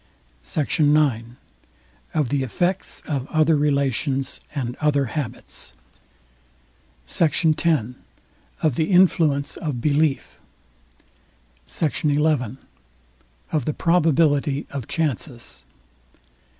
SECT. IX. OF THE EFFECTS OF OTHER RELATIONS AND OTHER HABITS. SECT. X. OF THE INFLUENCE OF BELIEF. SECT. XI. OF THE PROBABILITY OF CHANCES.